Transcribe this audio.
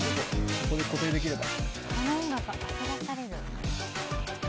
そこで固定できれば。